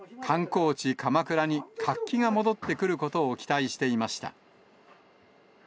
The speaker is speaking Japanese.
観光地、鎌倉に活気が戻ってくることを期待していました。